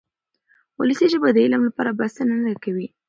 ولسي ژبه د علم لپاره بسنه نه کوي.